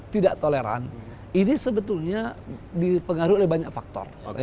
tidak toleran ini sebetulnya dipengaruhi oleh banyak faktor